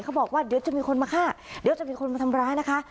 บอกว่าเดี๋ยวจะมีคนมาฆ่าเดี๋ยวจะมีคนมาทำร้ายนะคะ